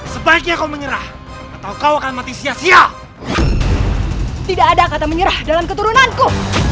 sebaiknya kau menyerah atau kau akan mati sia sia tidak ada kata menyerah dalam keturunanku